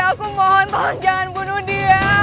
baiklah kak nasuri